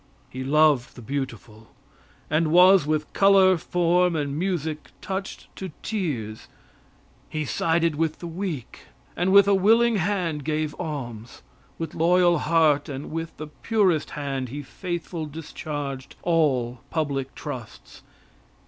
He loved the beautiful and was with color, form and music touched to tears. He sided with the weak, and with a willing hand gave alms; with loyal heart and with the purest hand he faithful discharged all public trusts.